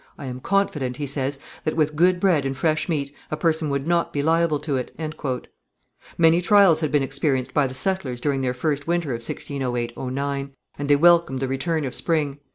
"I am confident," he says, "that, with good bread and fresh meat, a person would not be liable to it." Many trials had been experienced by the settlers during their first winter of 1608 09, and they welcomed the return of spring.